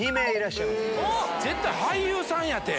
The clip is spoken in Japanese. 絶対俳優さんやって。